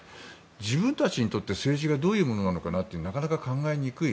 自分たちにとって政治がどういうものなのかとなかなか考えにくい。